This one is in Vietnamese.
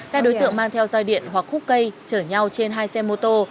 các đối tượng mang theo dòi điện hoặc khúc cây chở nhau trên hai xe mô tô